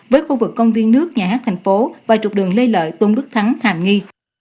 với khu vực công viên nước nhà hát thành phố và trục đường lê lợi tôn đức thắng hàm nghi